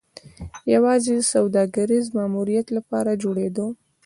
یوازې د سوداګریز ماموریت لپاره جوړېده